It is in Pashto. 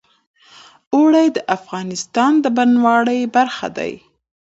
اوړي د افغانستان د بڼوالۍ برخه ده.